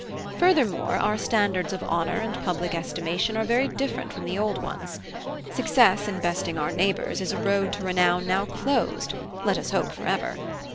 Furthermore, our standards of honour and public estimation are very different from the old ones; success in besting our neighbours is a road to renown now closed, let us hope for ever.